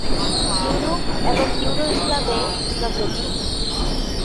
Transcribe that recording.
Europe এবং euro ইসলামে ইসলাম দেখুন।